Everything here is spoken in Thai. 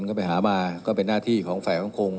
ก็ไปหามาก็เป็นหน้าที่ของแฝงคง